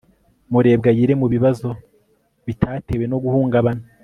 Murebwayire mubibazo bitatewe no guhungabana